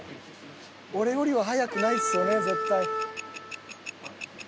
［俺よりは早くないっすよね絶対］